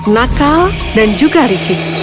nakal dan juga licik